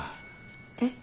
えっ？